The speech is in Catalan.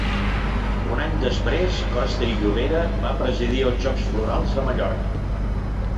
Un any després, Costa i Llobera va presidir els Jocs Florals de Mallorca.